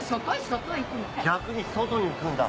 逆に外に行くんだ？